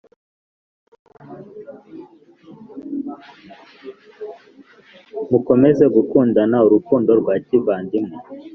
Mukomeze gukundana urukundo rwa kivandimwe